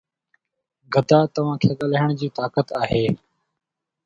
گدا توهان کان ڳالهائڻ جي طاقت آهي